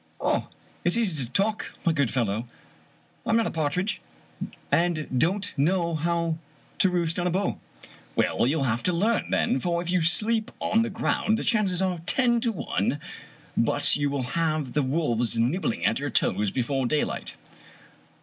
" It's easy to talk, my good fellow. I'm not a partridge, and don't know how to roost on a bough." " Well, you'll have to learn then, for if you sleep on the ground, the chances are ten to one but you will have the wolves nibbling at your toes before daylight."